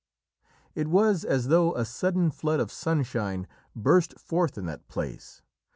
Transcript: "It was as though a sudden flood of sunshine burst forth in that place.